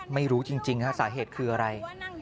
ไม่รู้จริงฮะสาเหตุคืออะไร